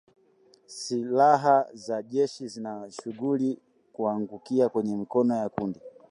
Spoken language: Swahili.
Silaha za jeshi zinashukiwa kuangukia kwenye mikono ya kundi lenye sifa mbaya